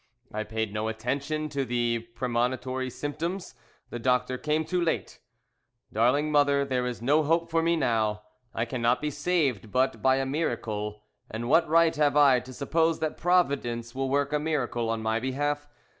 I paid no attention to the premonitory symptoms the doctor came too late. Darling mother, there is no hope for me now. I cannot be saved but by a miracle, and what right have I to suppose that Providence will work a miracle on my behalf?